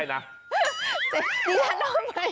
กินละนอกไป